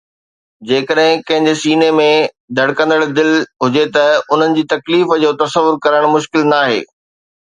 جيڪڏهن ڪنهن جي سيني ۾ ڌڙڪندڙ دل هجي ته انهن جي تڪليف جو تصور ڪرڻ مشڪل ناهي.